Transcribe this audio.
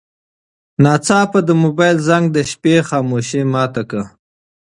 ناڅاپه د موبایل زنګ د شپې خاموشي ماته کړه.